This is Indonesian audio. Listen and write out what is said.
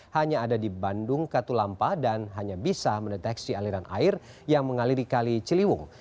hanya ada di bandung katulampa dan hanya bisa mendeteksi aliran air yang mengaliri kali ciliwung